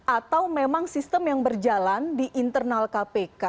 atau memang sistem yang berjalan di internal kpk